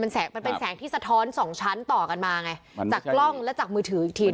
มันเป็นแสงที่สะท้อนสองชั้นต่อกันมาไงจากกล้องและจากมือถืออีกที